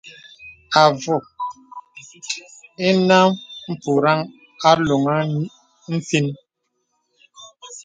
Àvùk ìnə mpùraŋ a loŋə nfīn.